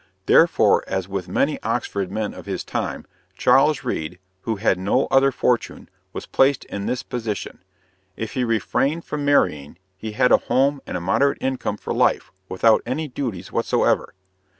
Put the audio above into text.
Therefore, as with many Oxford men of his time, Charles Reade, who had no other fortune, was placed in this position if he refrained from marrying, he had a home and a moderate income for life, without any duties whatsoever.